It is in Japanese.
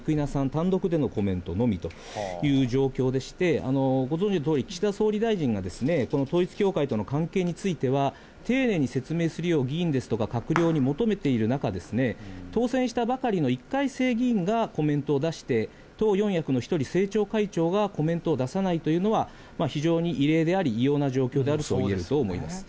単独でのコメントのみという状況でして、ご存じのとおり、岸田総理大臣がこの統一教会との関係については、丁寧に説明するよう議員ですとか閣僚に求めている中、当選したばかりの１回生議員がコメントを出して、党四役の一人、政調会長がコメントを出さないというのは、非常に異例であり、異様な状況であると言えると思います。